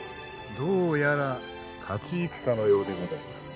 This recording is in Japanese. どうやら勝ち戦のようでございます」